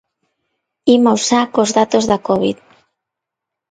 Imos xa cos datos da covid.